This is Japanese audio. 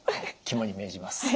肝に銘じます。